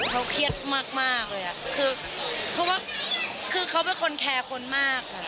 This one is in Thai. เค้าเครียดมากเลยคือเค้าเป็นคนแคร์ขนมาก